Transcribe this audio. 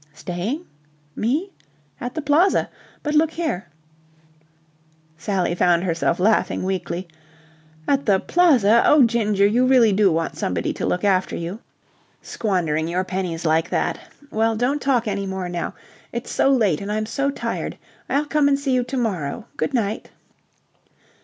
"Staying? Me? At the Plaza. But look here..." Sally found herself laughing weakly. "At the Plaza! Oh, Ginger, you really do want somebody to look after you. Squandering your pennies like that... Well, don't talk any more now. It's so late and I'm so tired. I'll come and see you to morrow. Good night."